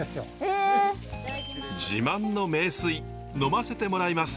自慢の名水飲ませてもらいます。